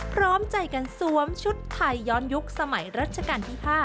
พร้อมใจกันสวมชุดไทยย้อนยุคสมัยรัชกาลที่๕